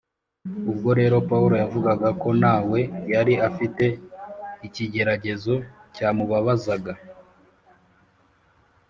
Ubwo rero Pawulo yavugaga ko na we yari afite ikigeragezo cyamubabazaga